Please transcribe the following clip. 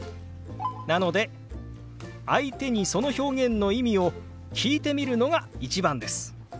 なので相手にその表現の意味を聞いてみるのが一番です。